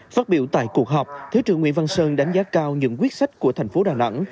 phát biểu tại cuộc họp thứ trưởng nguyễn văn sơn đánh giá cao những quyết sách của thành phố đà nẵng